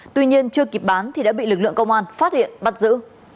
tuy nhiên chưa kịp bán thì đã bị lực lượng công an phát hiện bắt giữ